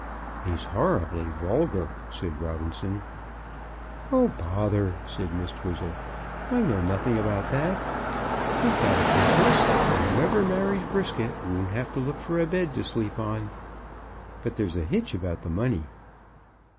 "He's horribly vulgar," said Robinson. "Oh, bother!" said Miss Twizzle. "I know nothing about that. He's got a business, and whoever marries Brisket won't have to look for a bed to sleep on. But there's a hitch about the money."